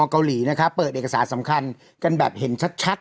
เกาหลีนะครับเปิดเอกสารสำคัญกันแบบเห็นชัด